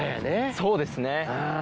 そうですね。